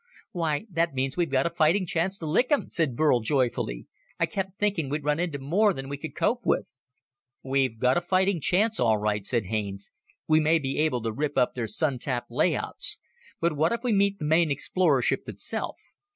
"Why, that means we've got a fighting chance to lick 'em," said Burl joyfully. "I kept thinking we'd run into more than we could cope with." "We've got a fighting chance, all right," said Haines. "We may be able to rip up their Sun tap layouts, but what if we meet the main explorer ship itself?